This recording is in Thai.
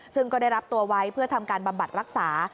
ซึ่งก็ได้รับตัวไว้เพื่อทำการบำบัดรักษา